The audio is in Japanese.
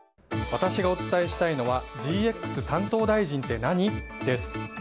私がお伝えしたいのはＧＸ担当大臣って何？です。